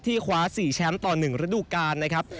คว้า๔แชมป์ต่อ๑ฤดูกาลนะครับ